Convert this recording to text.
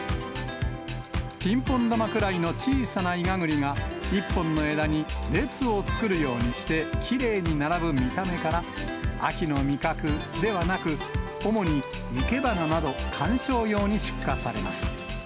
ピンポン玉くらいの小さなイガグリが、１本の枝に列を作るようにしてきれいに並ぶ見た目から、秋の味覚ではなく、主に生け花など、観賞用に出荷されます。